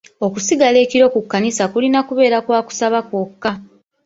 Okusigala ekiro ku kkanisa kulina kubeera kwa kusaba kwokka.